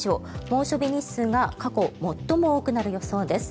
猛暑日日数が過去最も多くなる予想です。